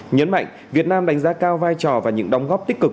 nhấn mạnh việt nam đánh giá cao vai trò và những đóng góp tích cực